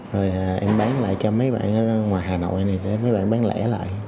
rồi em bán lại cho mấy bạn ở ngoài hà nội này để mấy bạn bán lẻ lại